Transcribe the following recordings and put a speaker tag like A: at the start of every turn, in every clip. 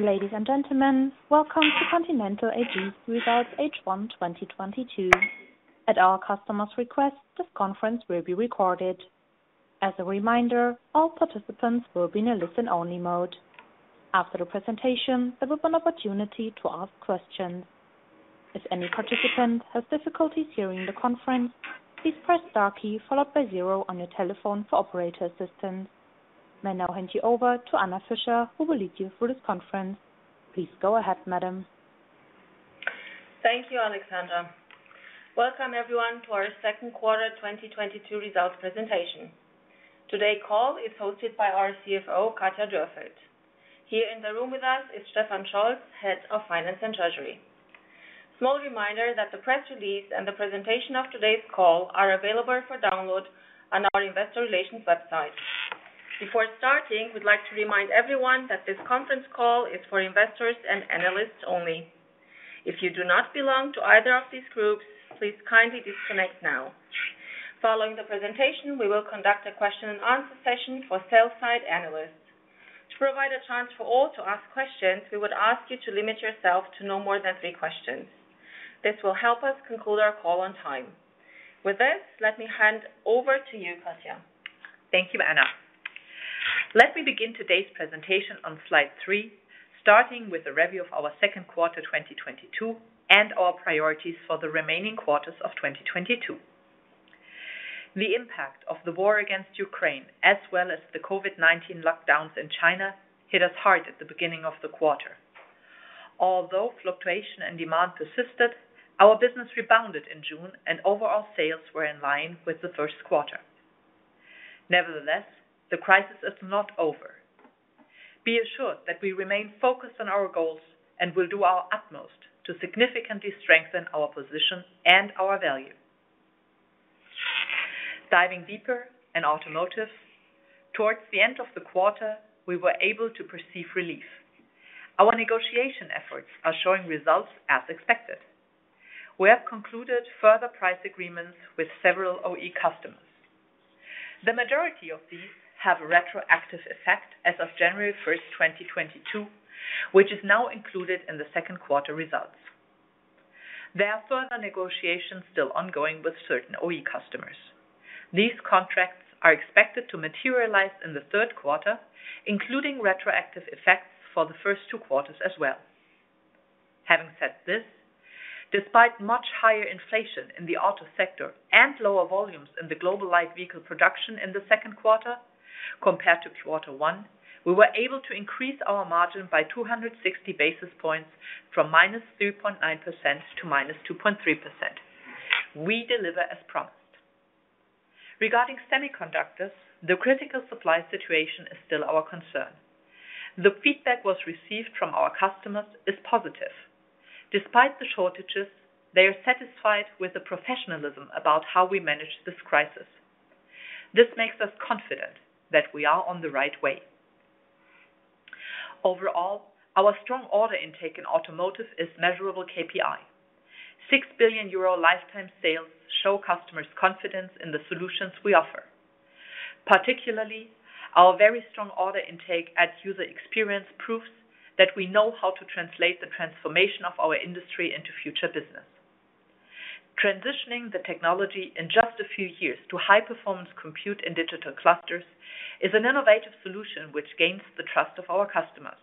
A: Ladies and gentlemen, welcome to Continental AG's Results H1 2022. At our customer's request, this conference will be recorded. As a reminder, all participants will be in a listen-only mode. After the presentation, there will be an opportunity to ask questions. If any participant has difficulties hearing the conference, please press star key followed by zero on your telephone for operator assistance. May now hand you over to Anna Fischer, who will lead you through this conference. Please go ahead, madam.
B: Thank you, Alexandra. Welcome everyone to our second quarter 2022 results presentation. Today's call is hosted by our CFO, Katja Dürrfeld. Here in the room with us is Stefan Scholz, Head of Finance and Treasury. Small reminder that the press release and the presentation of today's call are available for download on our investor relations website. Before starting, we'd like to remind everyone that this conference call is for investors and analysts only. If you do not belong to either of these groups, please kindly disconnect now. Following the presentation, we will conduct a question and answer session for sell-side analysts. To provide a chance for all to ask questions, we would ask you to limit yourself to no more than three questions. This will help us conclude our call on time. With this, let me hand over to you, Katja.
C: Thank you, Anna. Let me begin today's presentation on Slide three, starting with a review of our second quarter 2022 and our priorities for the remaining quarters of 2022. The impact of the war against Ukraine, as well as the COVID-19 lockdowns in China, hit us hard at the beginning of the quarter. Although fluctuations in demand persisted, our business rebounded in June, and overall sales were in line with the first quarter. Nevertheless, the crisis is not over. Be assured that we remain focused on our goals and will do our utmost to significantly strengthen our position and our value. Diving deeper in automotive. Towards the end of the quarter, we were able to achieve relief. Our negotiation efforts are showing results as expected. We have concluded further price agreements with several OE customers. The majority of these have a retroactive effect as of January 1st, 2022, which is now included in the second quarter results. There are further negotiations still ongoing with certain OE customers. These contracts are expected to materialize in the third quarter, including retroactive effects for the first two quarters as well. Having said this, despite much higher inflation in the auto sector and lower volumes in the global light vehicle production in the second quarter compared to quarter one, we were able to increase our margin by 260 basis points from -3.9% to -2.3%. We deliver as promised. Regarding semiconductors, the critical supply situation is still our concern. The feedback we received from our customers is positive. Despite the shortages, they are satisfied with the professionalism about how we manage this crisis. This makes us confident that we are on the right way. Overall, our strong order intake in Automotive is measurable KPI. 6 billion euro lifetime sales show customers confidence in the solutions we offer. Particularly, our very strong order intake at User Experience proves that we know how to translate the transformation of our industry into future business. Transitioning the technology in just a few years to high-performance compute and digital clusters is an innovative solution which gains the trust of our customers.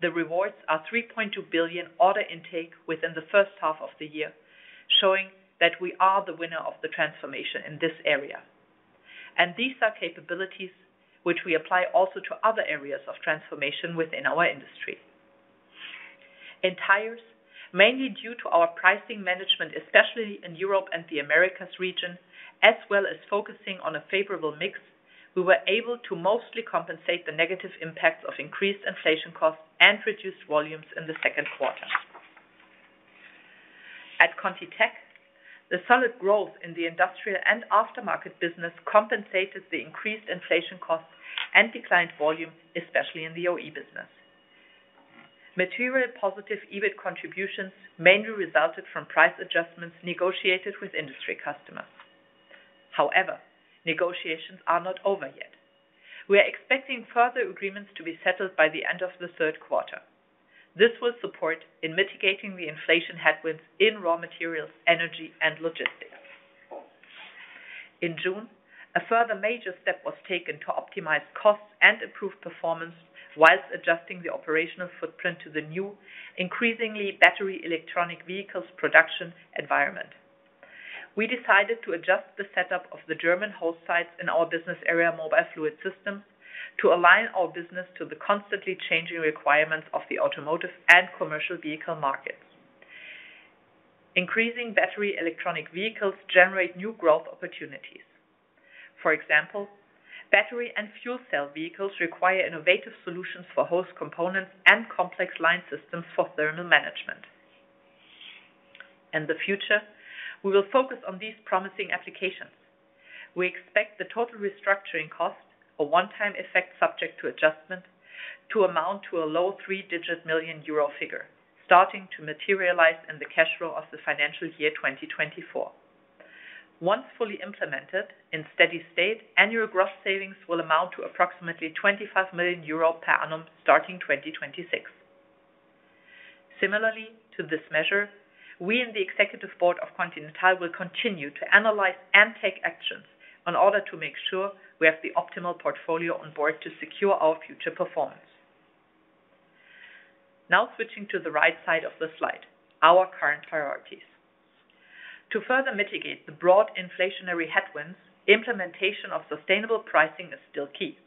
C: The rewards are 3.2 billion order intake within the first half of the year, showing that we are the winner of the transformation in this area. These are capabilities which we apply also to other areas of transformation within our industry. In Tires, mainly due to our pricing management, especially in Europe and the Americas region, as well as focusing on a favorable mix, we were able to mostly compensate the negative impacts of increased inflation costs and reduced volumes in the second quarter. At ContiTech, the solid growth in the industrial and aftermarket business compensated the increased inflation costs and declined volume, especially in the OE business. Material positive EBIT contributions mainly resulted from price adjustments negotiated with industry customers. However, negotiations are not over yet. We are expecting further agreements to be settled by the end of the third quarter. This will support in mitigating the inflation headwinds in raw materials, energy and logistics. In June, a further major step was taken to optimize costs and improve performance while adjusting the operational footprint to the new, increasingly battery electric vehicles production environment. We decided to adjust the setup of the German hose sites in our business area, Mobile Fluid Systems, to align our business to the constantly changing requirements of the automotive and commercial vehicle markets. Increasing battery electric vehicles generate new growth opportunities. For example, battery and fuel cell vehicles require innovative solutions for hose components and complex line systems for thermal management. In the future, we will focus on these promising applications. We expect the total restructuring cost, a one-time effect subject to adjustment, to amount to a low three-digit million EUR figure, starting to materialize in the cash flow of the financial year 2024. Once fully implemented in steady state, annual gross savings will amount to approximately 25 million euro per annum starting 2026. Similarly to this measure, we in the executive board of Continental will continue to analyze and take actions in order to make sure we have the optimal portfolio on board to secure our future performance. Now switching to the right side of the slide, our current priorities. To further mitigate the broad inflationary headwinds, implementation of sustainable pricing is still key.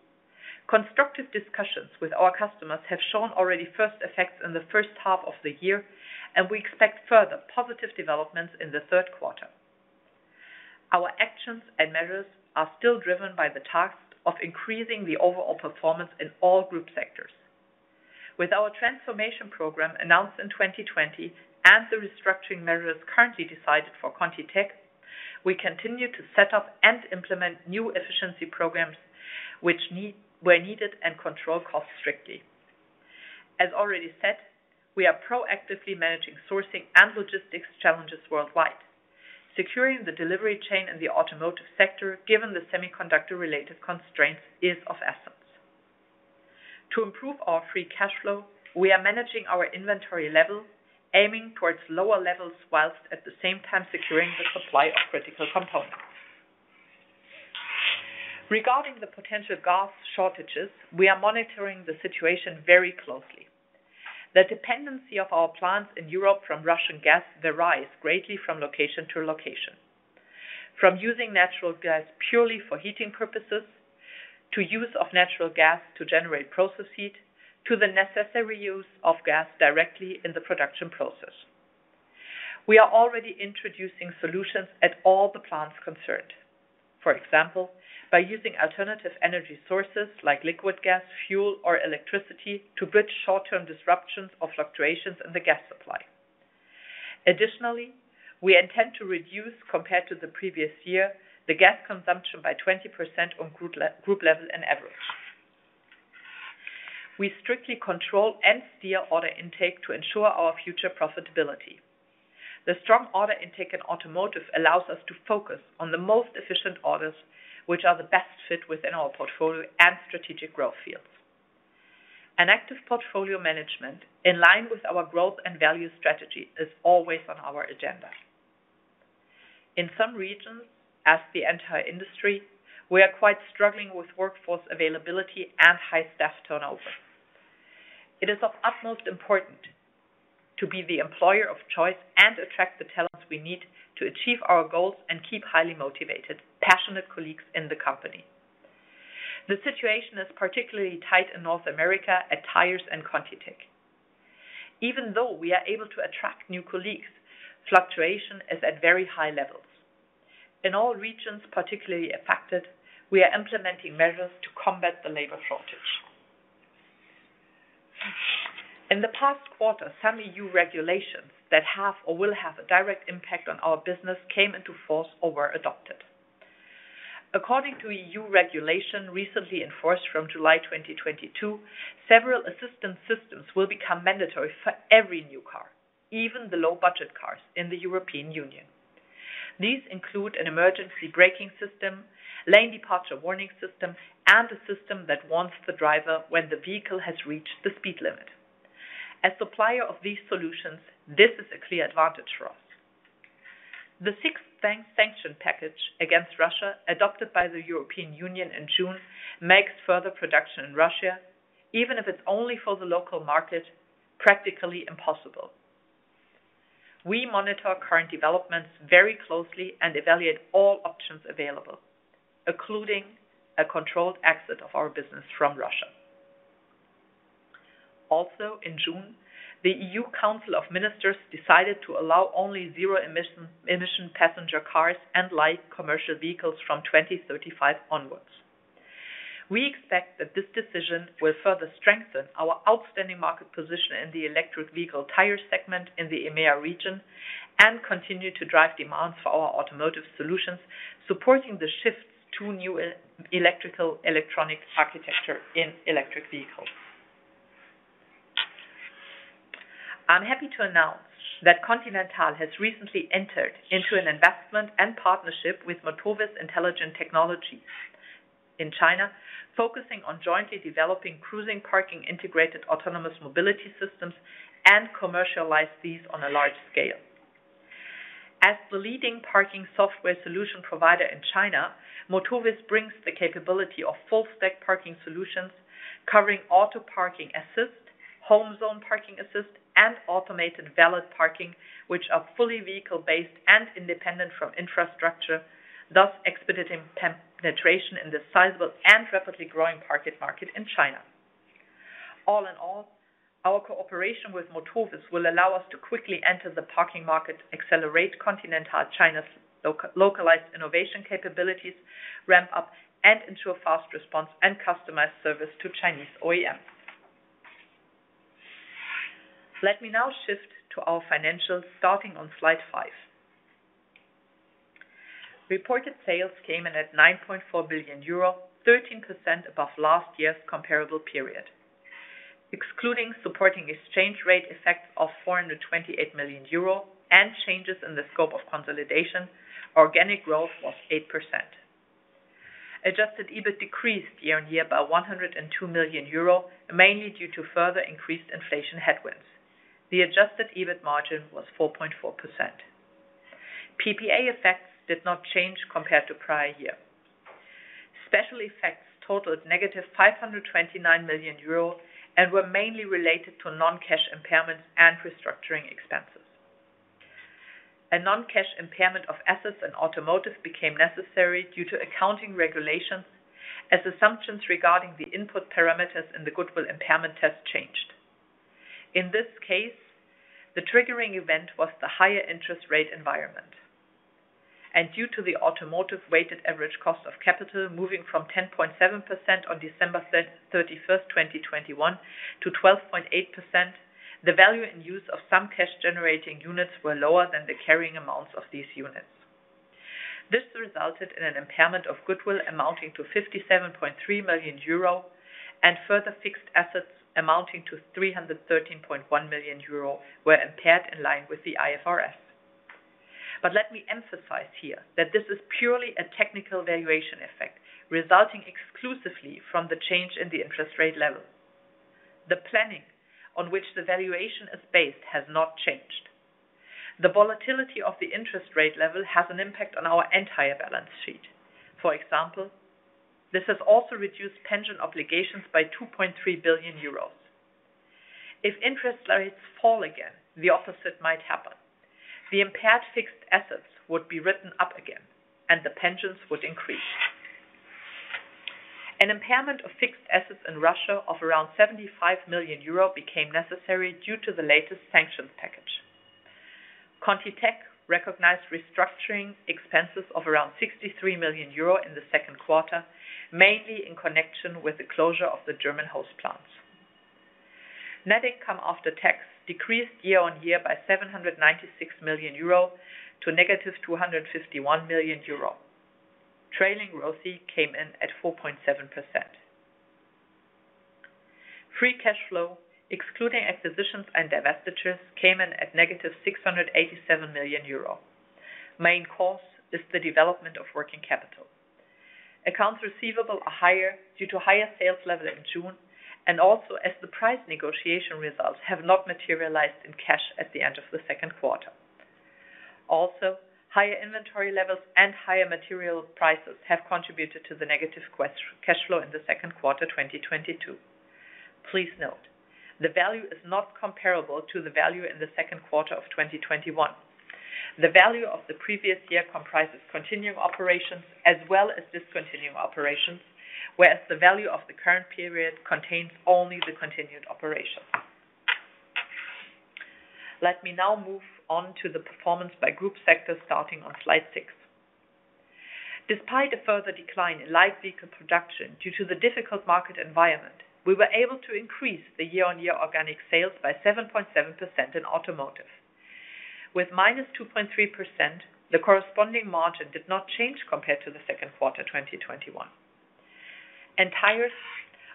C: Constructive discussions with our customers have shown already first effects in the first half of the year, and we expect further positive developments in the third quarter. Our actions and measures are still driven by the tasks of increasing the overall performance in all group sectors. With our transformation program announced in 2020 and the restructuring measures currently decided for ContiTech, we continue to set up and implement new efficiency programs which were needed and control costs strictly. As already said, we are proactively managing sourcing and logistics challenges worldwide. Securing the delivery chain in the automotive sector, given the semiconductor-related constraints, is of essence. To improve our free cash flow, we are managing our inventory level, aiming toward lower levels while at the same time securing the supply of critical components. Regarding the potential gas shortages, we are monitoring the situation very closely. The dependency of our plants in Europe from Russian gas varies greatly from location to location. From using natural gas purely for heating purposes, to use of natural gas to generate process heat, to the necessary use of gas directly in the production process. We are already introducing solutions at all the plants concerned. For example, by using alternative energy sources like liquid gas, fuel, or electricity to bridge short-term disruptions or fluctuations in the gas supply. Additionally, we intend to reduce, compared to the previous year, the gas consumption by 20% on group level and average. We strictly control and steer order intake to ensure our future profitability. The strong order intake in Automotive allows us to focus on the most efficient orders, which are the best fit within our portfolio and strategic growth fields. An active portfolio management in line with our growth and value strategy is always on our agenda. In some regions, as the entire industry, we are quite struggling with workforce availability and high staff turnover. It is of utmost important to be the employer of choice and attract the talents we need to achieve our goals and keep highly motivated, passionate colleagues in the company. The situation is particularly tight in North America at Tires and ContiTech. Even though we are able to attract new colleagues, fluctuation is at very high levels. In all regions particularly affected, we are implementing measures to combat the labor shortage. In the past quarter, some EU regulations that have or will have a direct impact on our business came into force or were adopted. According to EU regulation recently enforced from July 2022, several assistance systems will become mandatory for every new car, even the low-budget cars in the European Union. These include an emergency braking system, lane departure warning system, and a system that warns the driver when the vehicle has reached the speed limit. As supplier of these solutions, this is a clear advantage for us. The sixth sanctions package against Russia, adopted by the European Union in June, makes further production in Russia, even if it's only for the local market, practically impossible. We monitor current developments very closely and evaluate all options available, including a controlled exit of our business from Russia. In June, the EU Council of Ministers decided to allow only zero-emission passenger cars and light commercial vehicles from 2035 onwards. We expect that this decision will further strengthen our outstanding market position in the electric vehicle Tire segment in the EMEA region and continue to drive demand for our automotive solutions, supporting the shift to new electrical electronic architecture in electric vehicles. I'm happy to announce that Continental has recently entered into an investment and partnership with Motovis Intelligent Technology in China, focusing on jointly developing cruising parking integrated autonomous mobility systems and commercialize these on a large scale. As the leading parking software solution provider in China, Motovis brings the capability of full-stack parking solutions covering auto parking assist, home zone parking assist, and automated valet parking, which are fully vehicle-based and independent from infrastructure, thus expediting penetration in the sizable and rapidly growing parking market in China. All in all, our cooperation with Motovis will allow us to quickly enter the parking market, accelerate Continental China's localized innovation capabilities, ramp up and ensure fast response and customized service to Chinese OEMs. Let me now shift to our financials starting on slide five. Reported sales came in at 9.4 billion euro, 13% above last year's comparable period. Excluding supporting exchange rate effect of 428 million euro and changes in the scope of consolidation, organic growth was 8%. Adjusted EBIT decreased year-on-year by 102 million euro, mainly due to further increased inflation headwinds. The adjusted EBIT margin was 4.4%. PPA effects did not change compared to prior year. Special effects totaled negative 529 million euro and were mainly related to non-cash impairments and restructuring expenses. A non-cash impairment of assets in Automotive became necessary due to accounting regulations, as assumptions regarding the input parameters in the goodwill impairment test changed. In this case, the triggering event was the higher interest rate environment. Due to the Automotive weighted average cost of capital moving from 10.7% on December 31st, 2021 to 12.8%, the value in use of some cash-generating units were lower than the carrying amounts of these units. This resulted in an impairment of goodwill amounting to 57.3 million euro and further fixed assets amounting to 313.1 million euro were impaired in line with the IFRS. Let me emphasize here that this is purely a technical valuation effect resulting exclusively from the change in the interest rate level. The planning on which the valuation is based has not changed. The volatility of the interest rate level has an impact on our entire balance sheet. For example, this has also reduced pension obligations by 2.3 billion euros. If interest rates fall again, the opposite might happen. The impaired fixed assets would be written up again and the pensions would increase. An impairment of fixed assets in Russia of around 75 million euro became necessary due to the latest sanctions package. ContiTech recognized restructuring expenses of around 63 million euro in the second quarter, mainly in connection with the closure of the German hose plants. Net income after tax decreased year-on-year by 796 million euro to negative 251 million euro. Trailing ROCE came in at 4.7%. Free cash flow, excluding acquisitions and divestitures, came in at negative 687 million euro. Main cause is the development of working capital. Accounts receivable are higher due to higher sales level in June and also as the price negotiation results have not materialized in cash at the end of the second quarter. Also, higher inventory levels and higher material prices have contributed to the negative cash flow in the second quarter, 2022. Please note, the value is not comparable to the value in the second quarter of 2021. The value of the previous year comprises continuing operations as well as discontinuing operations, whereas the value of the current period contains only the continued operations. Let me now move on to the performance by group sector starting on slide 6. Despite a further decline in light vehicle production due to the difficult market environment, we were able to increase the year-on-year organic sales by 7.7% in Automotive. With -2.3%, the corresponding margin did not change compared to the second quarter, 2021.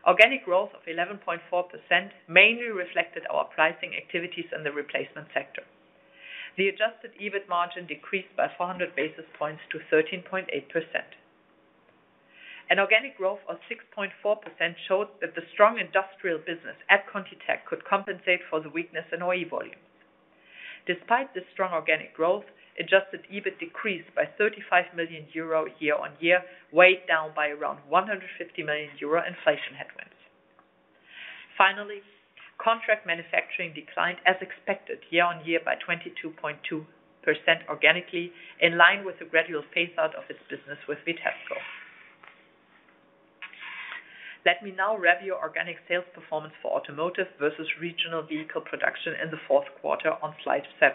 C: Organic growth of 11.4% mainly reflected our pricing activities in the replacement sector. The adjusted EBIT margin decreased by 400 basis points to 13.8%. An organic growth of 6.4% showed that the strong industrial business at ContiTech could compensate for the weakness in OE volume. Despite the strong organic growth, adjusted EBIT decreased by 35 million euro year-on-year, weighed down by around 150 million euro inflation headwinds. Contract manufacturing declined as expected, year-on-year by 22.2% organically, in line with the gradual phase out of its business with Vitesco. Let me now review organic sales performance for Automotive versus regional vehicle production in the fourth quarter on slide 7.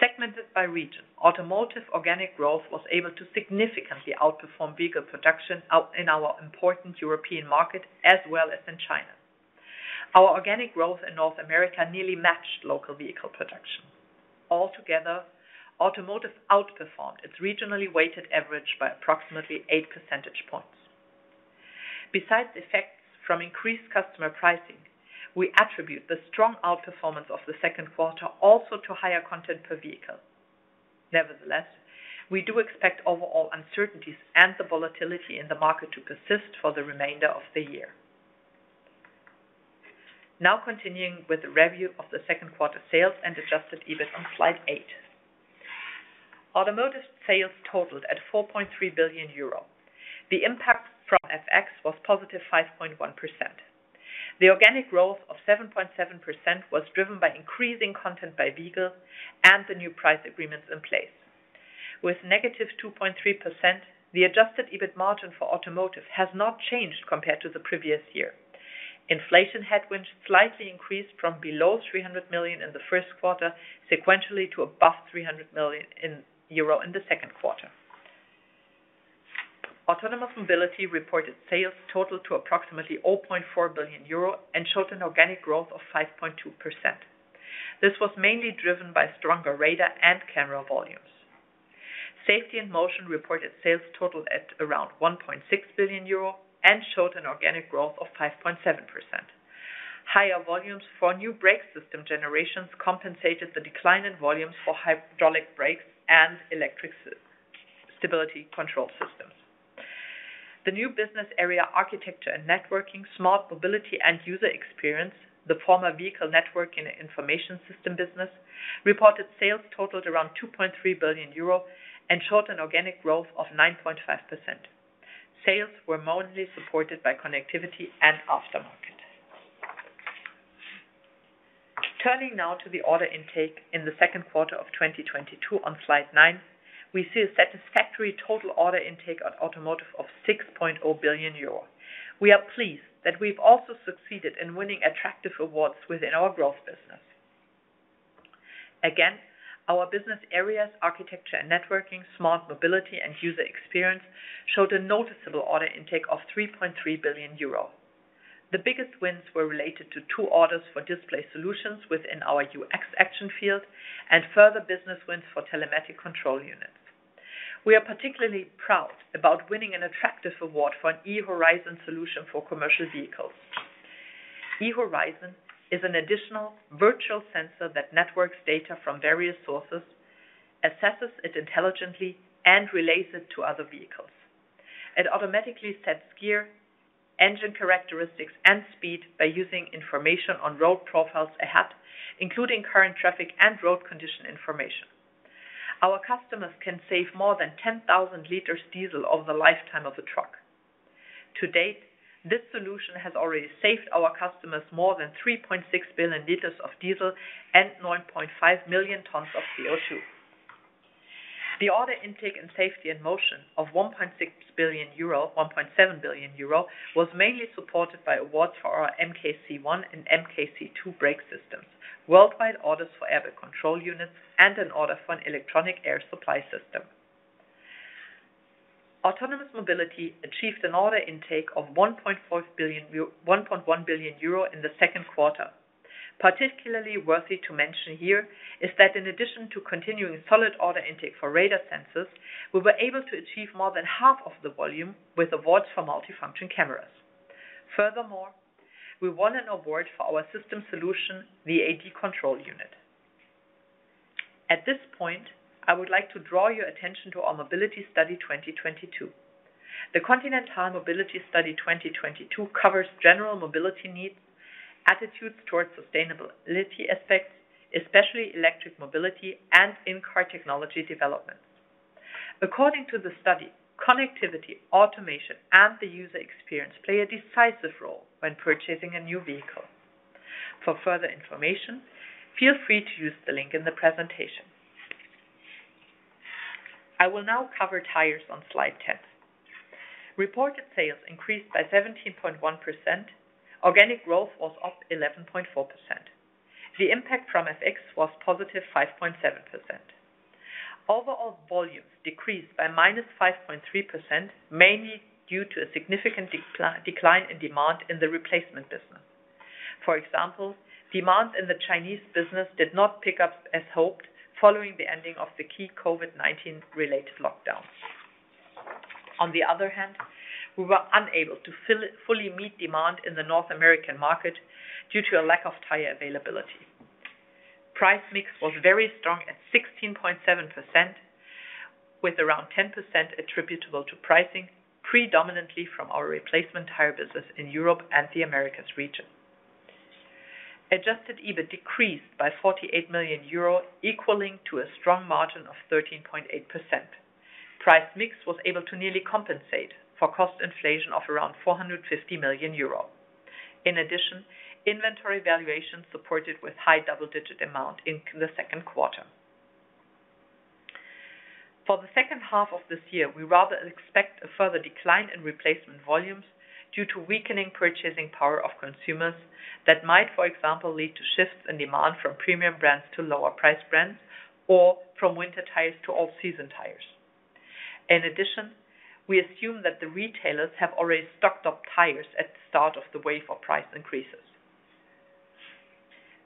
C: Segmented by region, Automotive organic growth was able to significantly outperform vehicle production in our important European market as well as in China. Our organic growth in North America nearly matched local vehicle production. Altogether, Automotive outperformed its regionally weighted average by approximately 8 percentage points. Besides effects from increased customer pricing, we attribute the strong outperformance of the second quarter also to higher content per vehicle. Nevertheless, we do expect overall uncertainties and the volatility in the market to persist for the remainder of the year. Now continuing with the review of the second quarter sales and adjusted EBIT on Slide eight. Automotive sales totaled 4.3 billion euro. The impact from FX was positive 5.1%. The organic growth of 7.7% was driven by increasing content by vehicle and the new price agreements in place. With -2.3%, the adjusted EBIT margin for Automotive has not changed compared to the previous year. Inflation headwinds slightly increased from below 300 million in the first quarter sequentially to above 300 million euro in the second quarter. Autonomous Mobility reported sales total to approximately 0.4 billion euro and showed an organic growth of 5.2%. This was mainly driven by stronger radar and camera volumes. Safety and Motion reported sales total at around 1.6 billion euro and showed an organic growth of 5.7%. Higher volumes for new brake system generations compensated the decline in volumes for hydraulic brakes and electronic stability control systems. The new business area, Architecture and Networking, Smart Mobility and User Experience, the former vehicle network and information system business, reported sales totaled around 2.3 billion euro and showed an organic growth of 9.5%. Sales were mainly supported by connectivity and aftermarket. Turning now to the order intake in the second quarter of 2022 on Slide nine, we see a satisfactory total order intake on automotive of 6.0 billion euro. We are pleased that we've also succeeded in winning attractive awards within our growth business. Again, our business areas, Architecture and Networking, Smart Mobility and User Experience, showed a noticeable order intake of 3.3 billion euro. The biggest wins were related to two orders for display solutions within our UX action field and further business wins for Telematics Control Units. We are particularly proud about winning an attractive award for an eHorizon solution for commercial vehicles. eHorizon is an additional virtual sensor that networks data from various sources, assesses it intelligently, and relays it to other vehicles. It automatically sets gear, engine characteristics, and speed by using information on road profiles ahead, including current traffic and road condition information. Our customers can save more than 10,000 liters of diesel over the lifetime of the truck. To date, this solution has already saved our customers more than 3.6 billion liters of diesel and 9.5 million tons of CO2. The order intake in Safety and Motion of 1.7 billion euro was mainly supported by awards for our MK C1 and MK C2 brake systems, worldwide orders for airbag control units, and an order for an electronic air supply system. Autonomous Mobility achieved an order intake of 1.1 billion euro in the second quarter. Particularly worthy to mention here is that in addition to continuing solid order intake for radar sensors, we were able to achieve more than half of the volume with awards for multifunction cameras. Furthermore, we won an award for our system solution, the ADCU. At this point, I would like to draw your attention to our Mobility Study 2022. The Continental Mobility Study 2022 covers general mobility needs, attitudes towards sustainability aspects, especially electric mobility and in-car technology developments. According to the study, connectivity, automation, and the user experience play a decisive role when purchasing a new vehicle. For further information, feel free to use the link in the presentation. I will now cover tires on Slide 10. Reported sales increased by 17.1%. Organic growth was up 11.4%. The impact from FX was positive 5.7%. Overall volumes decreased by -5.3%, mainly due to a significant decline in demand in the replacement business. For example, demand in the Chinese business did not pick up as hoped following the ending of the key COVID-19 related lockdowns. On the other hand, we were unable to fully meet demand in the North American market due to a lack of tire availability. Price mix was very strong at 16.7%, with around 10% attributable to pricing, predominantly from our replacement Tire business in Europe and the Americas region. Adjusted EBIT decreased by 48 million euro, equaling to a strong margin of 13.8%. Price mix was able to nearly compensate for cost inflation of around 450 million euro. In addition, inventory valuation supported with high double-digit amount in the second quarter. For the second half of this year, we rather expect a further decline in replacement volumes due to weakening purchasing power of consumers that might, for example, lead to shifts in demand from premium brands to lower priced brands or from winter tires to all-season tires. In addition, we assume that the retailers have already stocked up tires at the start of the wave of price increases.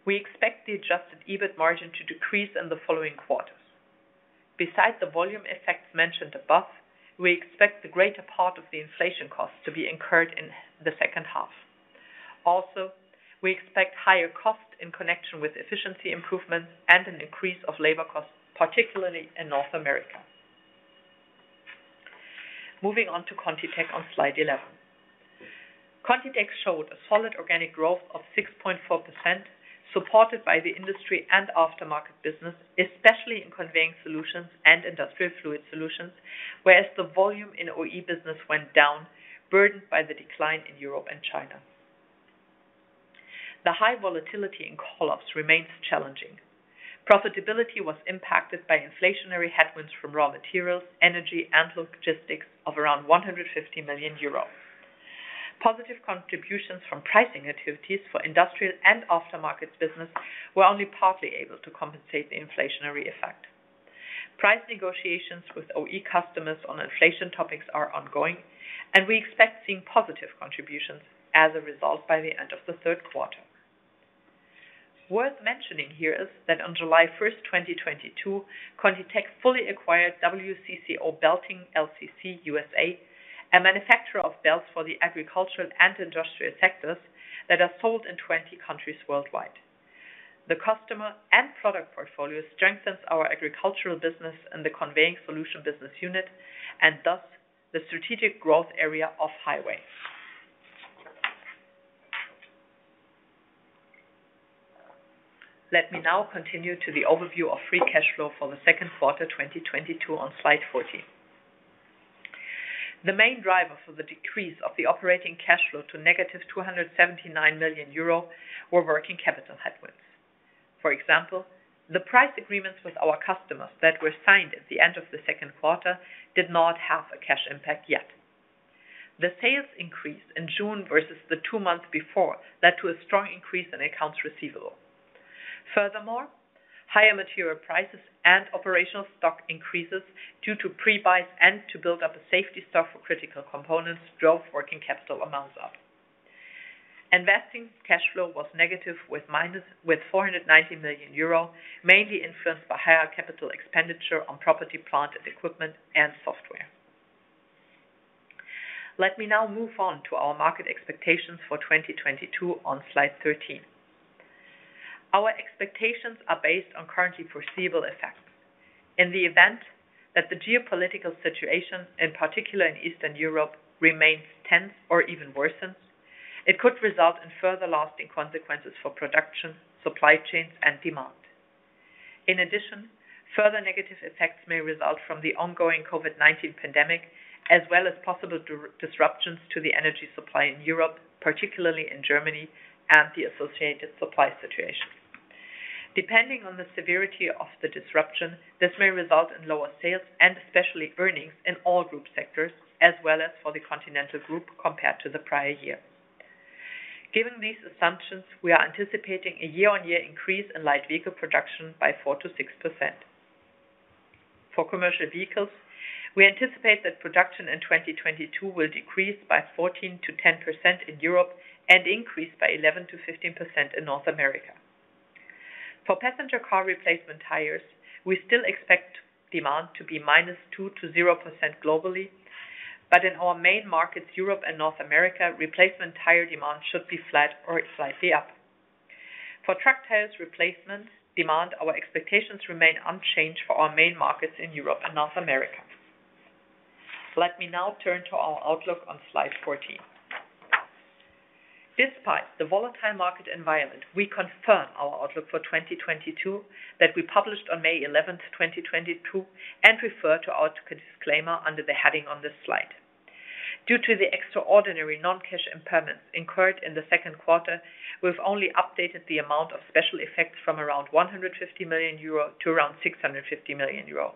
C: We expect the adjusted EBIT margin to decrease in the following quarters. Besides the volume effects mentioned above, we expect the greater part of the inflation costs to be incurred in the second half. Also, we expect higher costs in connection with efficiency improvements and an increase of labor costs, particularly in North America. Moving on to ContiTech on Slide 11. ContiTech showed a solid organic growth of 6.4%, supported by the industry and aftermarket business, especially in Conveying Solutions and Industrial Fluid Solutions, whereas the volume in OE business went down, burdened by the decline in Europe and China. The high volatility in call-offs remains challenging. Profitability was impacted by inflationary headwinds from raw materials, energy, and logistics of around 150 million euros. Positive contributions from pricing activities for industrial and aftermarket business were only partly able to compensate the inflationary effect. Price negotiations with OE customers on inflation topics are ongoing, and we expect seeing positive contributions as a result by the end of the third quarter. Worth mentioning here is that on July first, 2022, ContiTech fully acquired WCCO Belting LLC USA, a manufacturer of belts for the agricultural and industrial sectors that are sold in 20 countries worldwide. The customer and product portfolio strengthens our agricultural business and the Conveying Solutions business unit and thus the strategic growth area of off-highway. Let me now continue to the overview of free cash flow for the second quarter 2022 on Slide 14. The main driver for the decrease of the operating cash flow to -279 million euro were working capital headwinds. For example, the price agreements with our customers that were signed at the end of the second quarter did not have a cash impact yet. The sales increase in June versus the two months before led to a strong increase in accounts receivable. Furthermore, higher material prices and operational stock increases due to pre-buys and to build up a safety stock for critical components drove working capital amounts up. Investing cash flow was negative with -490 million euro, mainly influenced by higher capital expenditure on property, plant and equipment and software. Let me now move on to our market expectations for 2022 on Slide 13. Our expectations are based on currently foreseeable effects. In the event that the geopolitical situation, in particular in Eastern Europe, remains tense or even worsens, it could result in further lasting consequences for production, supply chains and demand. In addition, further negative effects may result from the ongoing COVID-19 pandemic, as well as possible disruptions to the energy supply in Europe, particularly in Germany, and the associated supply situation. Depending on the severity of the disruption, this may result in lower sales and especially earnings in all group sectors as well as for the Continental Group compared to the prior year. Given these assumptions, we are anticipating a year-on-year increase in light vehicle production by 4%-6%. For commercial vehicles, we anticipate that production in 2022 will decrease by 14%-10% in Europe and increase by 11%-15% in North America. For passenger car replacement tires, we still expect demand to be -2% to 0% globally. In our main markets, Europe and North America, replacement tire demand should be flat or slightly up. For truck tires replacement demand, our expectations remain unchanged for our main markets in Europe and North America. Let me now turn to our outlook on Slide 14. Despite the volatile market environment, we confirm our outlook for 2022 that we published on May 11th, 2022, and refer to our disclaimer under the heading on this slide. Due to the extraordinary non-cash impairments incurred in the second quarter, we've only updated the amount of special effects from around 150 million euro to around 650 million euro.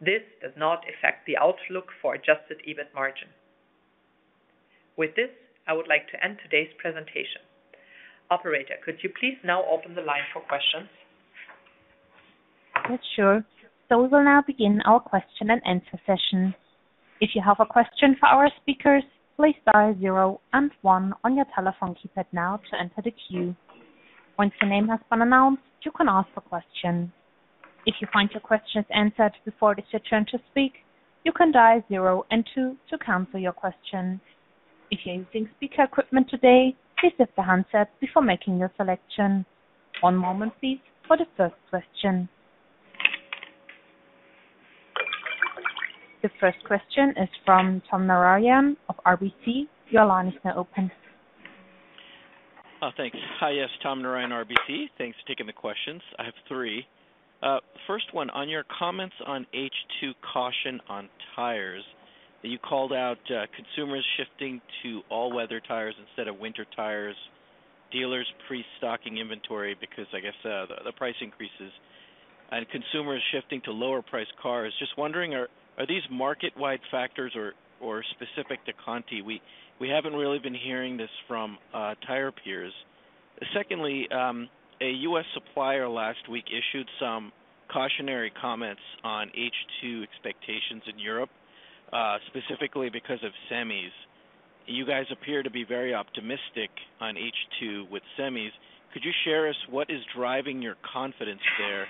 C: This does not affect the outlook for adjusted EBIT margin. With this, I would like to end today's presentation. Operator, could you please now open the line for questions?
A: Sure. We will now begin our question-and-answer session. If you have a question for our speakers, please dial zero and one on your telephone keypad now to enter the queue. Once your name has been announced, you can ask a question. If you find your question is answered before it is your turn to speak, you can dial zero and two to cancel your question. If you're using speaker equipment today, please hit the handset before making your selection. One moment, please, for the first question. The first question is from Tom Narayan of RBC. Your line is now open.
D: Thanks. Hi, yes, Tom Narayan, RBC. Thanks for taking the questions. I have three. First one, on your comments on H2 caution on tires that you called out, consumers shifting to all-weather tires instead of winter tires, dealers pre-stocking inventory because I guess the price increases and consumers shifting to lower priced cars. Just wondering, are these market-wide factors or specific to Conti? We haven't really been hearing this from tire peers. Secondly, a US supplier last week issued some cautionary comments on H2 expectations in Europe, specifically because of semis. You guys appear to be very optimistic on H2 with semis. Could you share with us what is driving your confidence there,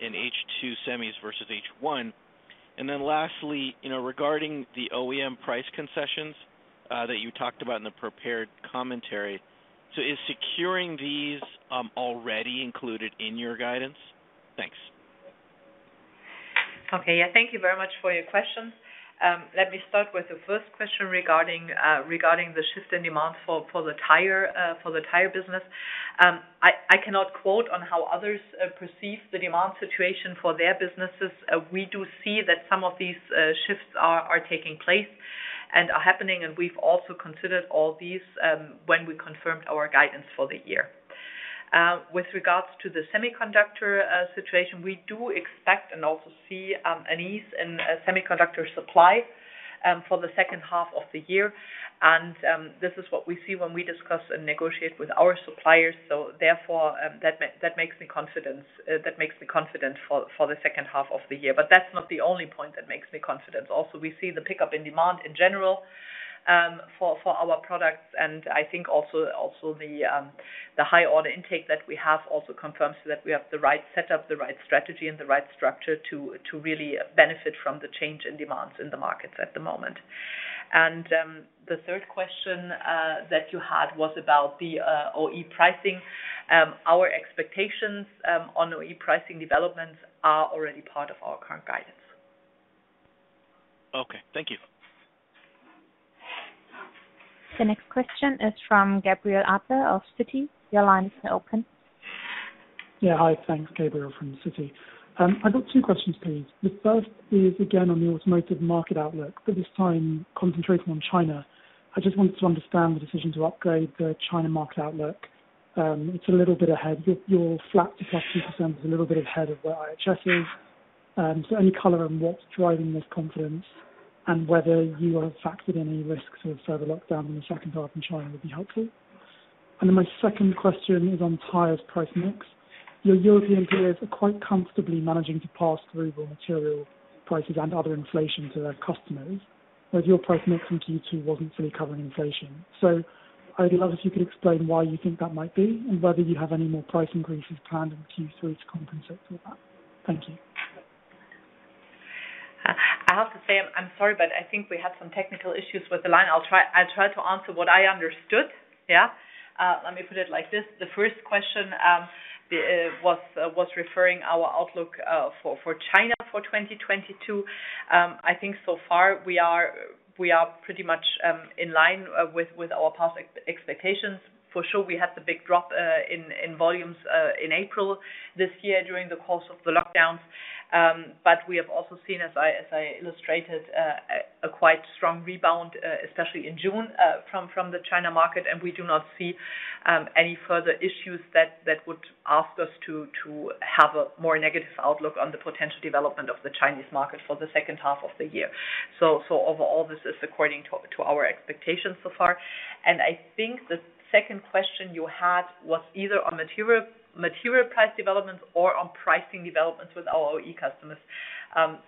D: in H2 semis versus H1? Lastly, you know, regarding the OEM price concessions that you talked about in the prepared commentary. Is securing these already included in your guidance? Thanks.
C: Okay. Yeah, thank you very much for your questions. Let me start with the first question regarding the shift in demand for the Tire business. I cannot quote on how others perceive the demand situation for their businesses. We do see that some of these shifts are taking place and are happening, and we've also considered all these when we confirmed our guidance for the year. With regards to the semiconductor situation, we do expect and also see an ease in semiconductor supply for the second half of the year. This is what we see when we discuss and negotiate with our suppliers. That makes me confident for the second half of the year. That's not the only point that makes me confident. Also, we see the pickup in demand in general. For our products, and I think also the high order intake that we have also confirms that we have the right setup, the right strategy, and the right structure to really benefit from the change in demands in the markets at the moment. The third question that you had was about the OE pricing. Our expectations on OE pricing developments are already part of our current guidance.
D: Okay, thank you.
A: The next question is from Gabriel Adler of Citi. Your line is now open.
E: Yeah. Hi. Thanks. Gabriel from Citi. I've got two questions, please. The first is again on the automotive market outlook, but this time concentrating on China. I just wanted to understand the decision to upgrade the China market outlook. It's a little bit ahead. Your flat to flat 2% is a little bit ahead of where IHS is. So any color on what's driving this confidence and whether you have factored any risks of further lockdown in the second half in China would be helpful. My second question is on Tires price mix. Your European peers are quite comfortably managing to pass through raw material prices and other inflation to their customers, whereas your price mix in Q2 wasn't fully covering inflation. I would love if you could explain why you think that might be and whether you have any more price increases planned in Q3 to compensate for that. Thank you.
C: I have to say I'm sorry, but I think we have some technical issues with the line. I'll try to answer what I understood. Yeah. Let me put it like this. The first question was referring to our outlook for China for 2022. I think so far we are pretty much in line with our past expectations. For sure, we had the big drop in volumes in April this year during the course of the lockdowns. We have also seen, as I illustrated, a quite strong rebound, especially in June, from the China market. We do not see any further issues that would ask us to have a more negative outlook on the potential development of the Chinese market for the second half of the year. Overall, this is according to our expectations so far. I think the second question you had was either on material price developments or on pricing developments with our OE customers. I'm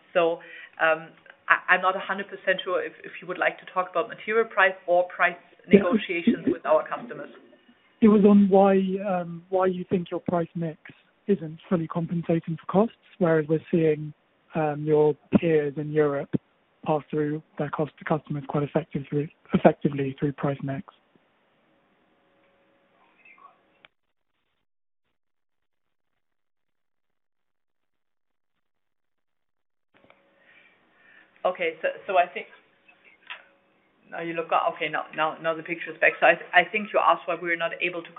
C: not 100% sure if you would like to talk about material price or price negotiations with our customers.
E: It was on why you think your price mix isn't fully compensating for costs, whereas we're seeing your peers in Europe pass through their cost to customers quite effectively through price mix.
C: I think now the picture is back. I think you asked why we're not able to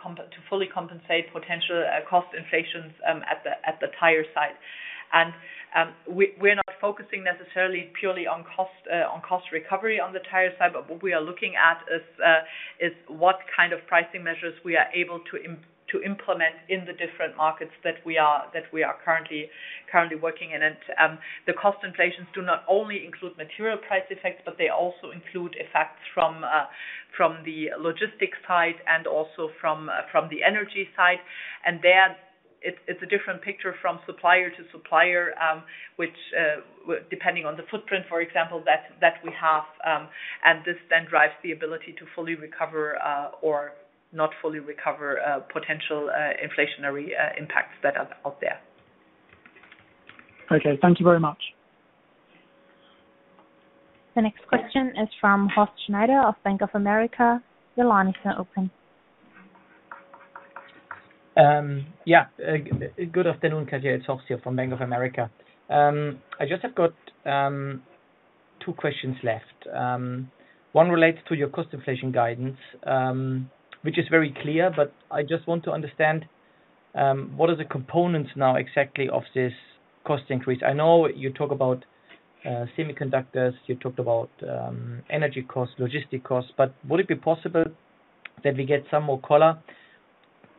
C: fully compensate potential cost inflations at the Tire side. We're not focusing necessarily purely on cost recovery on the Tire side, but what we are looking at is what kind of pricing measures we are able to implement in the different markets that we are currently working in. The cost inflations do not only include material price effects, but they also include effects from the logistics side and also from the energy side and then it's a different picture from supplier to supplier, which, depending on the footprint, for example, that we have, and this then drives the ability to fully recover, or not fully recover, potential inflationary impacts that are out there.
E: Okay. Thank you very much.
A: The next question is from Horst Schneider of Bank of America. Your line is now open.
F: Yeah. Good afternoon, Katja. It's Horst here from Bank of America. I just have got two questions left. One relates to your cost inflation guidance, which is very clear, but I just want to understand what are the components now exactly of this cost increase? I know you talk about semiconductors. You talked about energy costs, logistic costs. But would it be possible that we get some more color?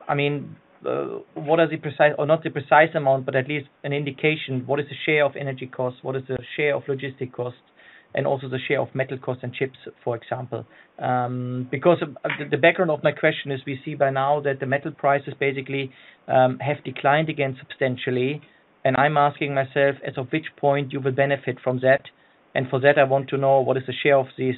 F: I mean, what are the precise or not the precise amount, but at least an indication, what is the share of energy costs? What is the share of logistic costs and also the share of metal costs and chips, for example? Because the background of my question is we see by now that the metal prices basically have declined again substantially, and I'm asking myself as of which point you will benefit from that. For that, I want to know what is the share of this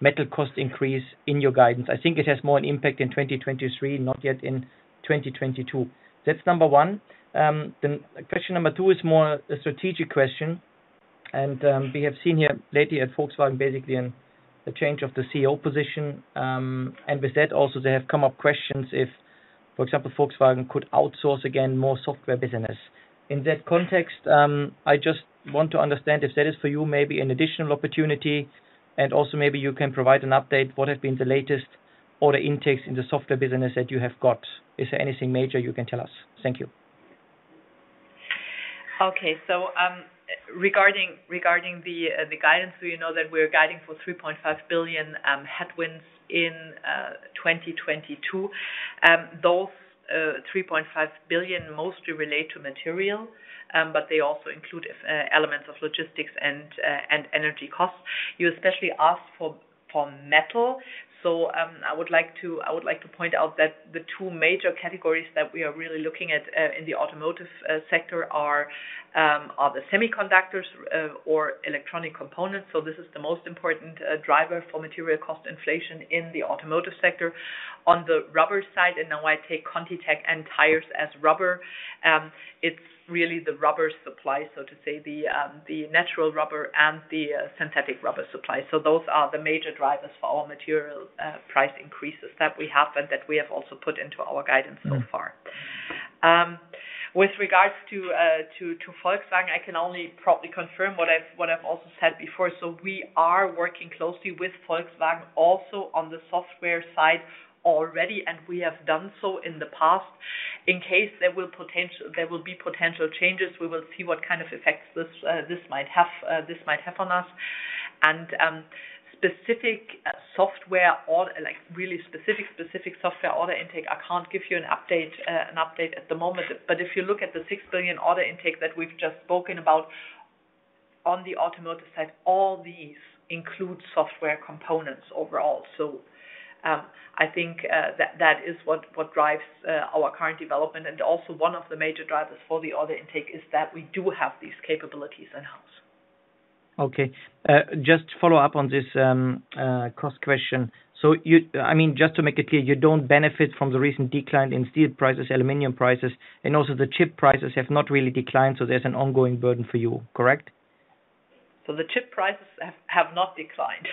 F: metal cost increase in your guidance. I think it has more an impact in 2023, not yet in 2022. That's number one. Question number two is more a strategic question. We have seen here lately at Volkswagen basically a change of the CEO position. With that also there have come up questions if, for example, Volkswagen could outsource again more software business. In that context, I just want to understand if that is for you maybe an additional opportunity. Also maybe you can provide an update, what has been the latest order intakes in the software business that you have got? Is there anything major you can tell us? Thank you.
C: Okay. Regarding the guidance, you know that we're guiding for 3.5 billion headwinds in 2022. Those 3.5 billion mostly relate to material, but they also include elements of logistics and energy costs. You especially asked for metal. I would like to point out that the two major categories that we are really looking at in the automotive sector are the semiconductors or electronic components. This is the most important driver for material cost inflation in the automotive sector. On the rubber side, and now I take ContiTech and Tires as rubber, it's really the rubber supply, so to say, the natural rubber and the synthetic rubber supply. Those are the major drivers for our material price increases that we have and that we also put into our guidance so far. With regard to Volkswagen, I can only probably confirm what I've also said before. We are working closely with Volkswagen also on the software side already, and we have done so in the past. In case there will be potential changes, we will see what kind of effects this might have on us. Specific software or like really specific software order intake, I can't give you an update at the moment. If you look at the 6 billion order intake that we've just spoken about on the automotive side, all these include software components overall. I think that is what drives our current development, and also one of the major drivers for the order intake is that we do have these capabilities in-house.
F: Just follow up on this, cost question. I mean, just to make it clear, you don't benefit from the recent decline in steel prices, aluminum prices, and also the chip prices have not really declined, so there's an ongoing burden for you, correct?
C: The chip prices have not declined.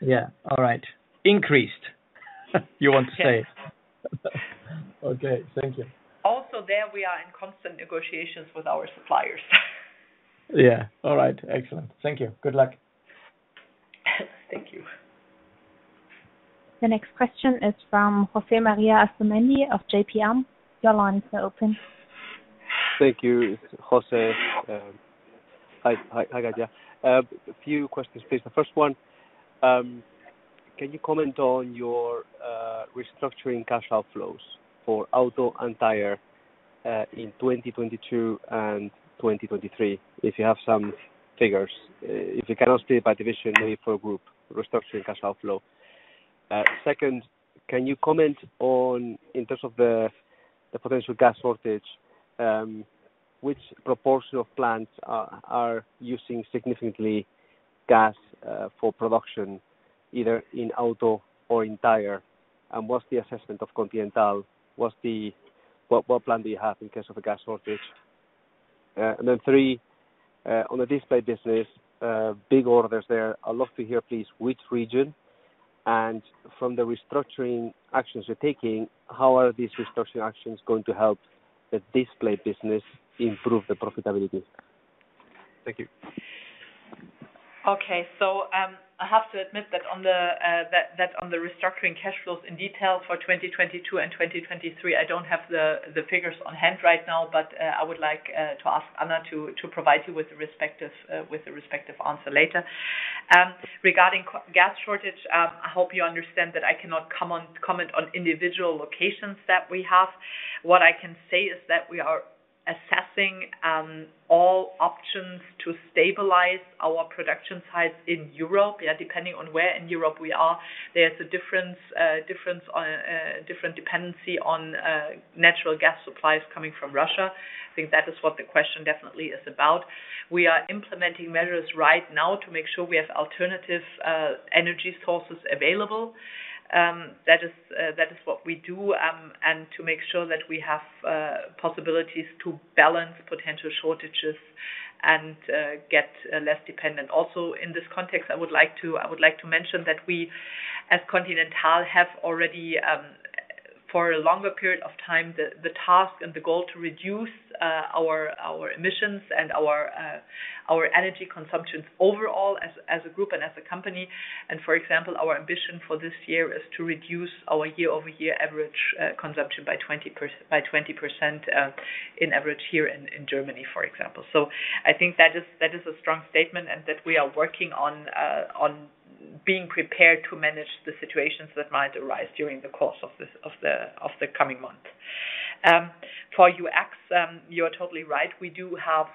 F: Yeah. All right. Increased, you want to say.
C: Yes.
F: Okay. Thank you.
C: Also, there, we are in constant negotiations with our suppliers.
F: Yeah. All right. Excellent. Thank you. Good luck.
C: Thank you.
A: The next question is from José M. Asumendi of JPM. Your line is now open.
G: Thank you. It's José. Hi, Katja. A few questions, please. The first one, can you comment on your restructuring cash outflows for Automotive and Tires in 2022 and 2023, if you have some figures. If you cannot state by division maybe for group restructuring cash outflow. Second, can you comment on, in terms of the potential gas shortage, which proportion of plants are using significantly gas for production, either in Automotive or in Tires? And what's the assessment of Continental? What plan do you have in case of a gas shortage? And then three, on the display business, big orders there. I'd love to hear, please, which region, and from the restructuring actions you're taking, how are these restructuring actions going to help the display business improve the profitability? Thank you.
C: I have to admit that on the restructuring cash flows in detail for 2022 and 2023, I don't have the figures on hand right now, but I would like to ask Anna to provide you with the respective answer later. Regarding gas shortage, I hope you understand that I cannot comment on individual locations that we have. What I can say is that we are assessing all options to stabilize our production sites in Europe. Yeah, depending on where in Europe we are, there's a different dependency on natural gas supplies coming from Russia. I think that is what the question definitely is about. We are implementing measures right now to make sure we have alternative energy sources available. That is what we do, and to make sure that we have possibilities to balance potential shortages and get less dependent. Also, in this context, I would like to mention that we, as Continental, have already, for a longer period of time, the task and the goal to reduce our emissions and our energy consumptions overall as a group and as a company. For example, our ambition for this year is to reduce our year-over-year average consumption by 20% on average here in Germany, for example. I think that is a strong statement and that we are working on being prepared to manage the situations that might arise during the course of the coming months. For UX, you're totally right. We do have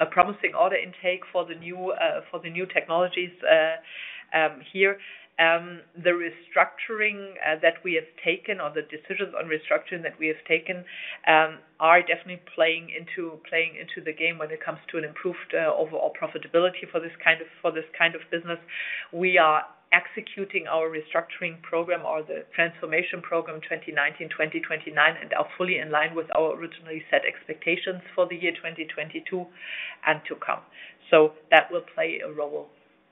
C: a promising order intake for the new technologies here. The restructuring that we have taken or the decisions on restructuring that we have taken are definitely playing into the game when it comes to an improved overall profitability for this kind of business. We are executing our restructuring program or the transformation program 2019-2029, and are fully in line with our originally set expectations for the year 2022 and to come. That will play a role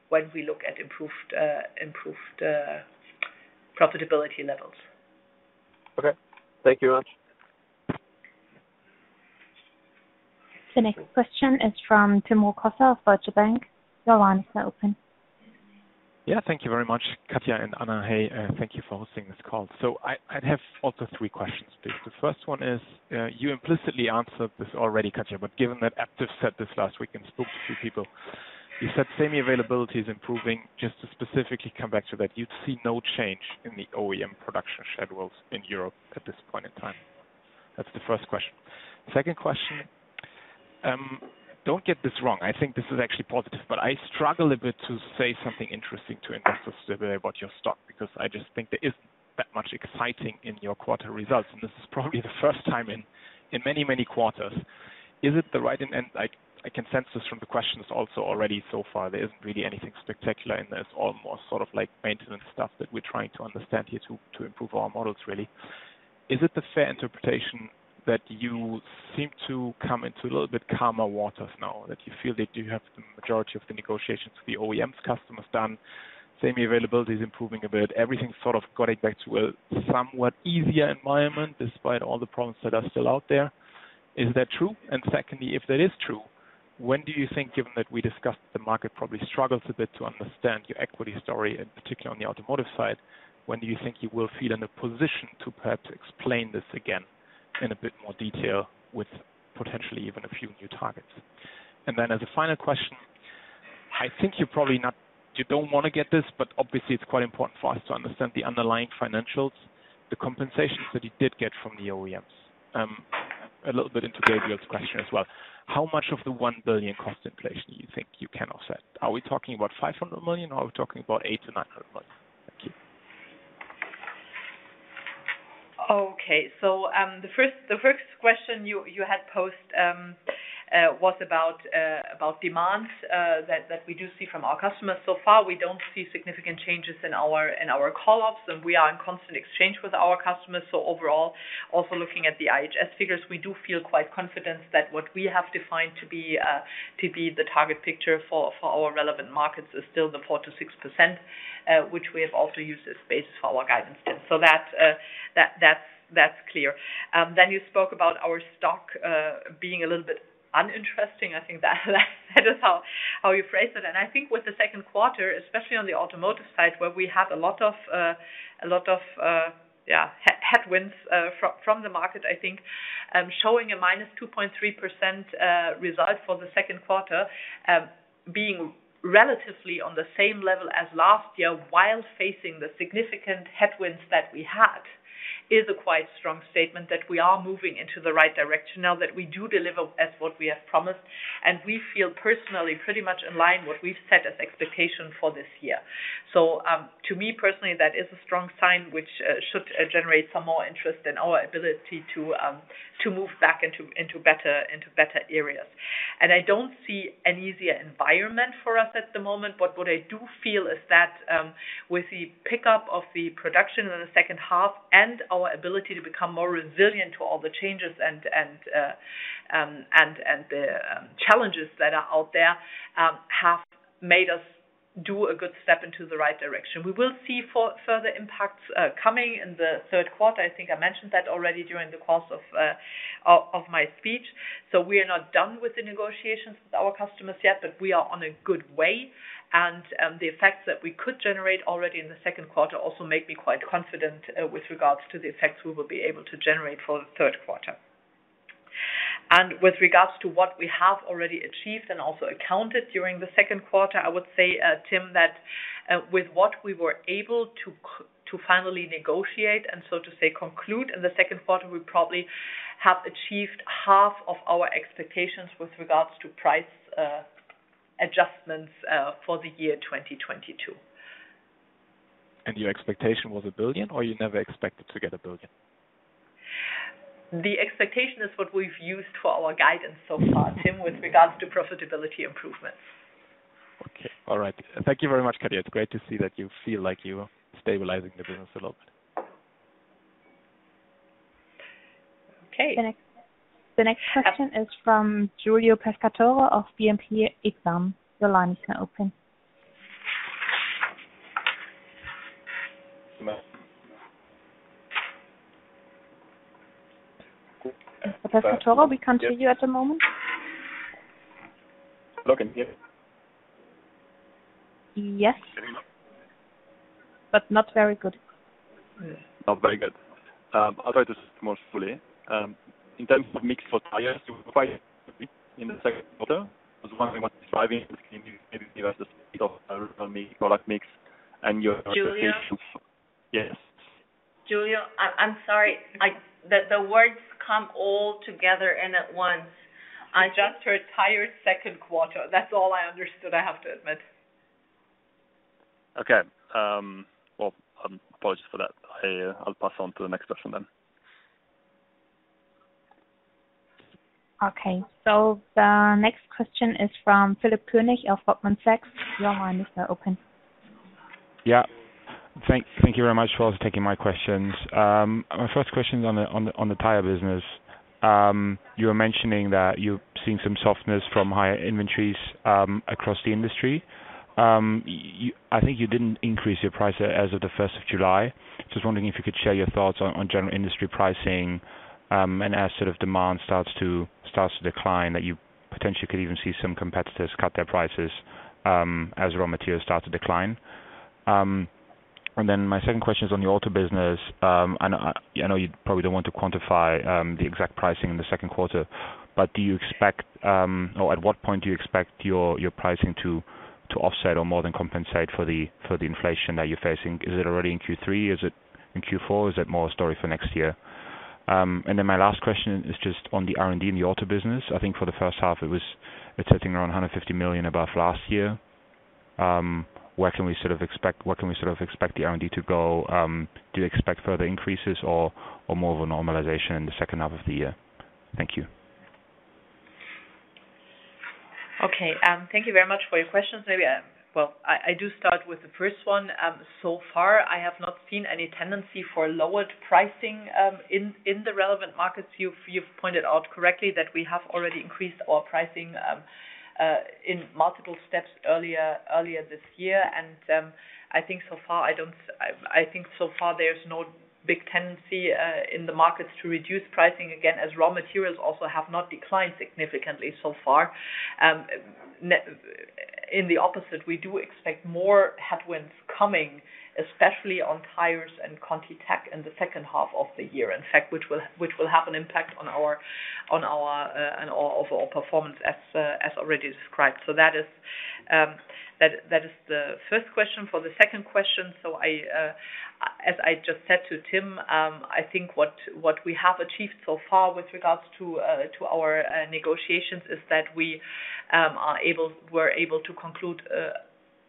C: when we look at improved profitability levels.
G: Okay. Thank you very much.
A: The next question is from Tim Rokossa of Deutsche Bank. Your line is now open.
H: Yeah. Thank you very much, Katja and Anna. Hey, thank you for hosting this call. I'd have also three questions, please. The first one is, you implicitly answered this already, Katja, but given that Aptiv said this last week and spoke to a few people, you said semi availability is improving. Just to specifically come back to that, you'd see no change in the OEM production schedules in Europe at this point in time. That's the first question. Second question, don't get this wrong, I think this is actually positive, but I struggle a bit to say something interesting to investors today about your stock, because I just think there isn't that much exciting in your quarter results, and this is probably the first time in many quarters. I can sense this from the questions also already so far, there isn't really anything spectacular in this, almost sort of like maintenance stuff that we're trying to understand here to improve our models really. Is it the fair interpretation that you seem to come into a little bit calmer waters now, that you feel that you have the majority of the negotiations with the OEMs customers done, semi availability is improving a bit, everything sort of got it back to a somewhat easier environment despite all the problems that are still out there? Is that true? Secondly, if that is true, when do you think, given that we discussed the market probably struggles a bit to understand your equity story, in particular on the automotive side, when do you think you will feel in a position to perhaps explain this again in a bit more detail with potentially even a few new targets? As a final question, I think you're probably not You don't wanna get this, but obviously it's quite important for us to understand the underlying financials, the compensations that you did get from the OEMs. A little bit into Gabriel's question as well, how much of the 1 billion cost inflation you think you can offset? Are we talking about 500 million or are we talking about 800 million to 900 million? Thank you.
C: Okay. The first question you had posed was about demand that we do see from our customers. So far, we don't see significant changes in our call-offs, and we are in constant exchange with our customers. Overall, also looking at the IHS figures, we do feel quite confident that what we have defined to be the target picture for our relevant markets is still the 4% to 6%, which we have also used as basis for our guidance then. That's clear. You spoke about our stock being a little bit uninteresting. I think that is how you phrased it. I think with the second quarter, especially on the automotive side, where we had a lot of headwinds from the market, I think showing a -2.3% result for the second quarter being relatively on the same level as last year while facing the significant headwinds that we had, is a quite strong statement that we are moving into the right direction now, that we do deliver as what we have promised. We feel personally pretty much in line what we've set as expectation for this year. To me personally, that is a strong sign which should generate some more interest in our ability to move back into better areas. I don't see an easier environment for us at the moment, but what I do feel is that with the pickup of the production in the second half and our ability to become more resilient to all the changes and the challenges that are out there have made us do a good step into the right direction. We will see further impacts coming in the third quarter. I think I mentioned that already during the course of my speech. We are not done with the negotiations with our customers yet, but we are on a good way, and the effects that we could generate already in the second quarter also make me quite confident with regards to the effects we will be able to generate for the third quarter. With regards to what we have already achieved and also accounted during the second quarter, I would say, Tim, that, with what we were able to to finally negotiate, and so to say conclude in the second quarter, we probably have achieved half of our expectations with regards to price adjustments, for the year 2022.
H: Your expectation was 1 billion, or you never expected to get 1 billion?
C: The expectation is what we've used for our guidance so far, Tim, with regards to profitability improvements.
H: Okay. All right. Thank you very much, Katja. It's great to see that you feel like you're stabilizing the business a little bit.
C: Okay.
A: The next question is from Giulio Pescatore of BNP Exane. Your line is now open. Mr. Pescatore, we can't hear you at the moment.
I: Hello, can you hear me?
A: Yes. Not very good.
I: Not very good. I'll try to speak more slowly. In terms of mix for Tires, you were quite in the second quarter. Maybe give us a bit of a mix, product mix and your...
C: Giulio.
I: Yes.
C: Giulio, I'm sorry. The words come all together and at once. I just heard Tires second quarter. That's all I understood, I have to admit.
I: Okay. Well, apologies for that. I'll pass on to the next question then.
A: Okay. The next question is from Philipp Koenig of Goldman Sachs. Your line is now open.
J: Yeah. Thank you very much for taking my questions. My first question is on the Tire business. You were mentioning that you've seen some softness from higher inventories across the industry. I think you didn't increase your price as of the first of July. I was wondering if you could share your thoughts on general industry pricing, and as sort of demand starts to decline, that you potentially could even see some competitors cut their prices as raw materials start to decline. Then my second question is on the auto business. I know you probably don't want to quantify the exact pricing in the second quarter, but do you expect, or at what point do you expect your pricing to offset or more than compensate for the inflation that you're facing? Is it already in Q3? Is it in Q4? Is it more a story for next year? My last question is just on the R&D in the auto business. I think for the first half it's sitting around 150 million above last year. Where can we sort of expect the R&D to go? Do you expect further increases or more of a normalization in the second half of the year? Thank you.
C: Okay. Thank you very much for your questions. Maybe, well, I do start with the first one. So far, I have not seen any tendency for lowered pricing in the relevant markets. You've pointed out correctly that we have already increased our pricing in multiple steps earlier this year. I think so far there's no big tendency in the markets to reduce pricing again, as raw materials also have not declined significantly so far. In the opposite, we do expect more headwinds coming, especially on Tires and ContiTech in the second half of the year, in fact, which will have an impact on our overall performance as already described. That is the first question. For the second question, as I just said to Tim, I think what we have achieved so far with regards to our negotiations is that we were able to conclude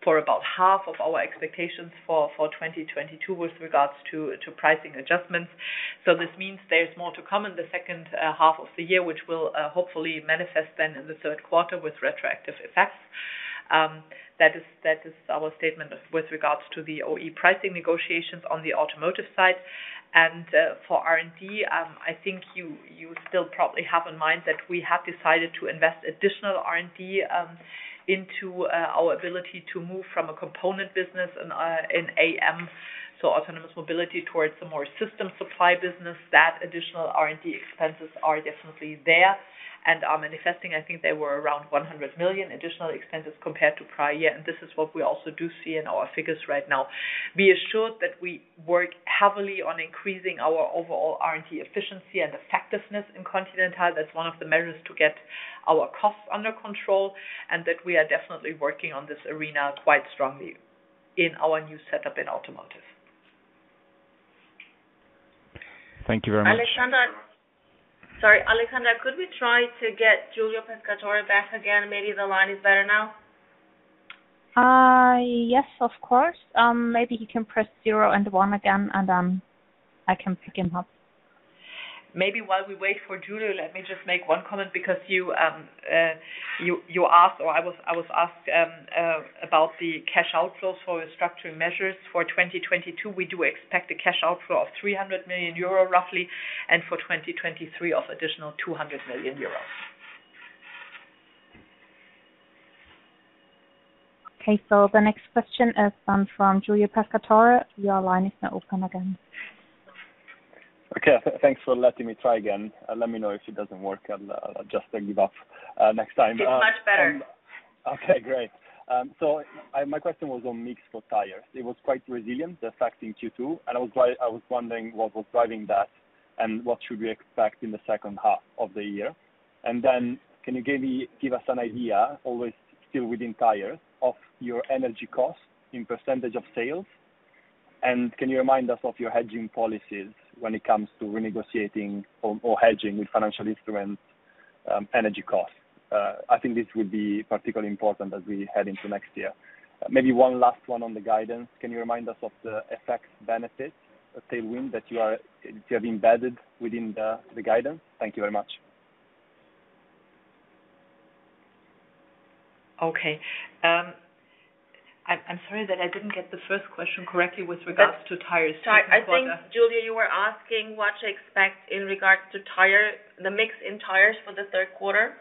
C: for about half of our expectations for 2022 with regards to pricing adjustments. This means there is more to come in the second half of the year, which will hopefully manifest then in the third quarter with retroactive effects. That is our statement with regards to the OE pricing negotiations on the automotive side. For R&D, I think you still probably have in mind that we have decided to invest additional R&D into our ability to move from a component business in AM, so autonomous mobility, towards a more system supply business. That additional R&D expenses are definitely there and are manifesting. I think they were around 100 million additional expenses compared to prior year, and this is what we also do see in our figures right now. Be assured that we work heavily on increasing our overall R&D efficiency and effectiveness in Continental. That's one of the measures to get our costs under control, and that we are definitely working on this arena quite strongly in our new setup in automotive.
J: Thank you very much.
C: Alexandra. Sorry. Alexandra, could we try to get Giulio Pescatore back again? Maybe the line is better now.
A: Yes, of course. Maybe he can press zero and one again, and I can pick him up.
C: Maybe while we wait for Giulio, let me just make one comment because you asked, or I was asked, about the cash outflows for restructuring measures. For 2022, we do expect a cash outflow of 300 million euro roughly, and for 2023 of additional 200 million euro.
A: Okay. The next question is from Giulio Pescatore. Your line is now open again.
I: Okay. Thanks for letting me try again. Let me know if it doesn't work. I'll just give up next time.
C: It's much better.
I: Okay, great. My question was on mix for Tires. It was quite resilient, the effect in Q2, and I was wondering what was driving that and what should we expect in the second half of the year. Can you give us an idea, always still within Tires, of your energy costs in percentage of sales? Can you remind us of your hedging policies when it comes to renegotiating or hedging with financial instruments, energy costs? I think this will be particularly important as we head into next year. Maybe one last one on the guidance. Can you remind us of the FX benefits or tailwind that you have embedded within the guidance? Thank you very much.
C: Okay. I'm sorry that I didn't get the first question correctly with regards to Tires for the quarter.
A: Sorry. I think, Giulio, you were asking what to expect in regards to Tire, the mix in Tires for the third quarter.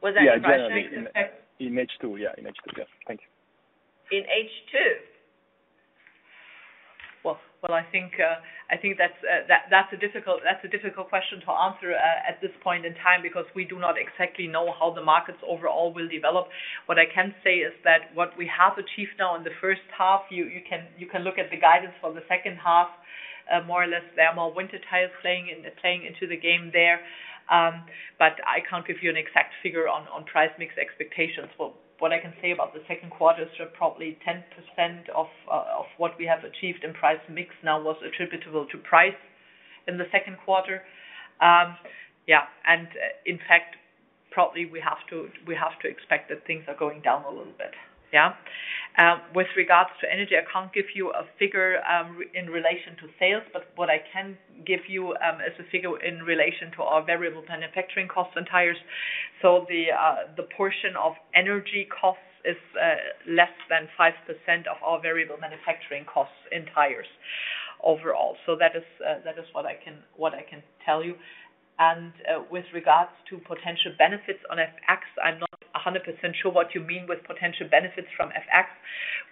A: Was that the question?
I: Yeah, generally. In H2. Yeah. Thank you.
A: In H2?
C: Well, I think that's a difficult question to answer at this point in time because we do not exactly know how the markets overall will develop. What I can say is that what we have achieved now in the first half, you can look at the guidance for the second half. More or less, there are more winter tires playing into the game there. But I can't give you an exact figure on price mix expectations. Well, what I can say about the second quarter is probably 10% of what we have achieved in price mix now was attributable to price in the second quarter. Yeah. In fact, probably we have to expect that things are going down a little bit. With regards to energy, I can't give you a figure in relation to sales, but what I can give you is a figure in relation to our variable manufacturing costs in tires. The portion of energy costs is less than 5% of our variable manufacturing costs in tires overall. That is what I can tell you. With regards to potential benefits on FX, I'm not 100% sure what you mean with potential benefits from FX.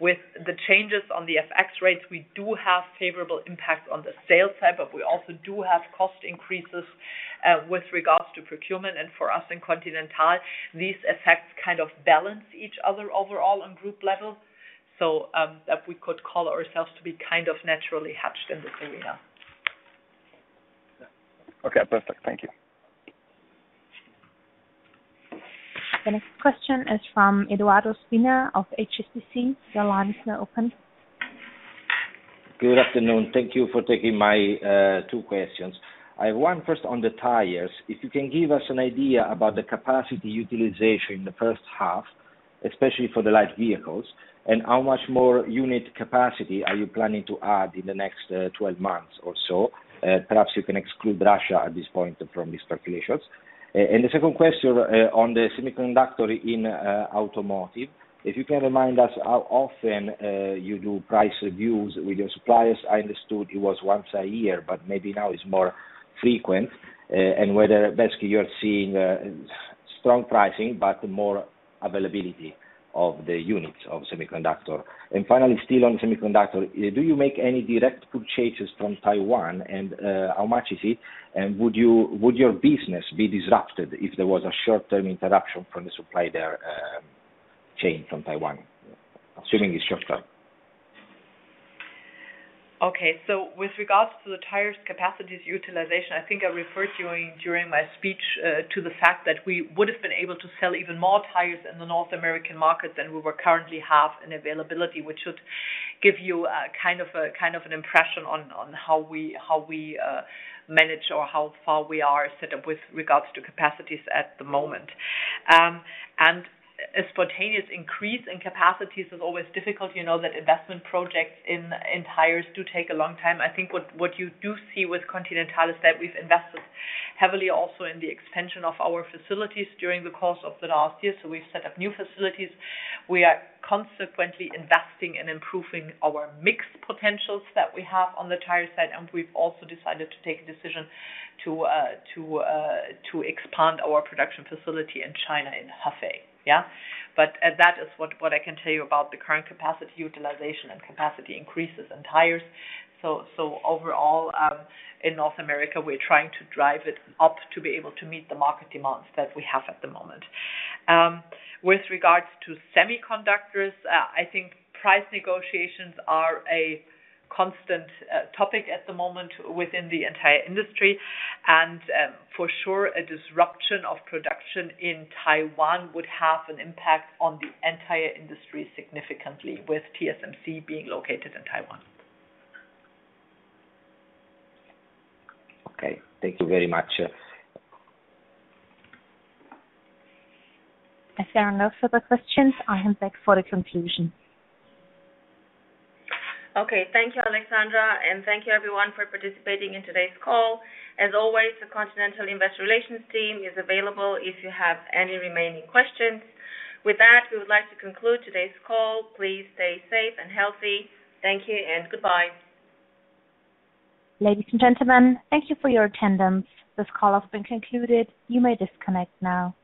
C: With the changes on the FX rates, we do have favorable impact on the sales side, but we also do have cost increases with regards to procurement. For us in Continental, these effects kind of balance each other overall on group level. We could call ourselves to be kind of naturally hedged in this arena.
I: Okay, perfect. Thank you.
A: The next question is from Edoardo Spina of HSBC. Your line is now open.
K: Good afternoon. Thank you for taking my two questions. I have one, first on the Tires. If you can give us an idea about the capacity utilization in the first half, especially for the light vehicles, and how much more unit capacity are you planning to add in the next 12 months or so? Perhaps you can exclude Russia at this point from these calculations. The second question on the semiconductor in automotive, if you can remind us how often you do price reviews with your suppliers. I understood it was once a year, but maybe now it's more frequent. Whether basically you are seeing strong pricing but more availability of the units of semiconductor. Finally, still on semiconductor, do you make any direct purchases from Taiwan, and how much is it? Would your business be disrupted if there was a short-term interruption from the supply chain from Taiwan, assuming it's short-term?
C: Okay. With regards to the Tires capacity utilization, I think I referred during my speech to the fact that we would have been able to sell even more tires in the North American market than we were currently have in availability, which should give you kind of an impression on how we manage or how far we are set up with regards to capacities at the moment. A spontaneous increase in capacities is always difficult. You know that investment projects in tires do take a long time. I think what you do see with Continental is that we've invested heavily also in the expansion of our facilities during the course of the last year. We've set up new facilities. We are consequently investing in improving our mix potentials that we have on the Tire side, and we've also decided to take a decision to expand our production facility in China in Hefei. That is what I can tell you about the current capacity utilization and capacity increases in tires. Overall, in North America, we're trying to drive it up to be able to meet the market demands that we have at the moment. With regards to semiconductors, I think price negotiations are a constant topic at the moment within the entire industry. For sure, a disruption of production in Taiwan would have an impact on the entire industry significantly with TSMC being located in Taiwan.
K: Okay. Thank you very much.
A: As there are no further questions, I hand back for the conclusion.
B: Okay. Thank you, Alexandra, and thank you everyone for participating in today's call. As always, the Continental Investor Relations team is available if you have any remaining questions. With that, we would like to conclude today's call. Please stay safe and healthy. Thank you and goodbye.
A: Ladies and gentlemen, thank you for your attendance. This call has been concluded. You may disconnect now.